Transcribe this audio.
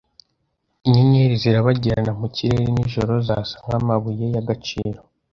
Inyenyeri zirabagirana mu kirere nijoro zasa nkamabuye y'agaciro.